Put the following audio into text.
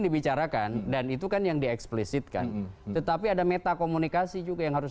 dibicarakan dan itu kan yang dieksplisitkan tetapi ada metakomunikasi juga yang harus